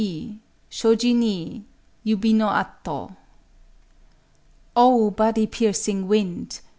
Shōji ni Yubi no ato! —"_Oh, body piercing wind!